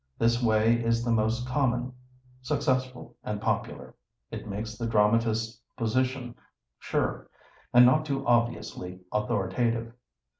This way is the most common, successful, and popular. It makes the dramatist's position sure, and not too obviously authoritative.